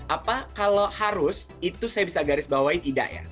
apa kalau harus itu saya bisa garis bawahi tidak ya